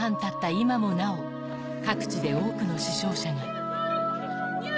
今もなお、各地で多くの死傷者が。